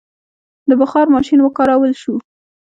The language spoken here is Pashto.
د بخار ماشین وکارول شو.